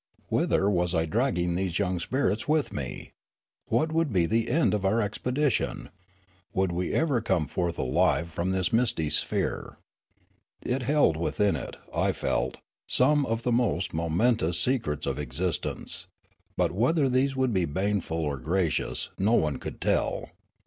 Whither was I dragging these 5'oung spirits with me ? What would be the end of our expedition ? Would we ever come forth alive from this mist}' sphere ? It held within it, I felt, some of the most momentous secrets of existence ; but whether these would be baneful or gracious no one could tell.